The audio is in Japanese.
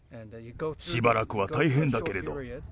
しばらくは大変だけれど。